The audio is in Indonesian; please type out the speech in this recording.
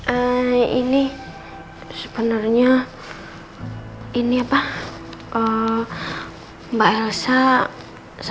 eee ini sebenarnya ini apa mbak elsa sama pak nino datang ke sini buat jemput bu chandra